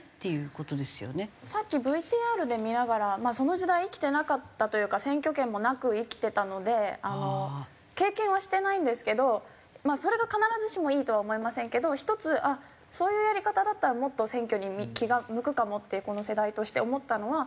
さっきＶＴＲで見ながらその時代生きてなかったというか選挙権もなく生きてたので経験はしてないんですけどまあそれが必ずしもいいとは思いませんけど１つそういうやり方だったらもっと選挙に気が向くかもってこの世代として思ったのは。